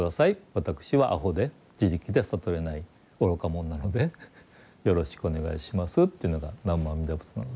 私はアホで自力で悟れない愚か者なのでよろしくお願いしますというのが南無阿弥陀仏なので。